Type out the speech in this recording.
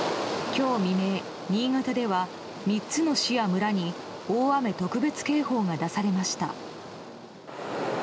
今日未明、新潟では３つの市や村に大雨特別警報が出されました。